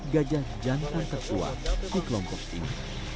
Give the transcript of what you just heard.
gajah jantan tertua di kelompok ini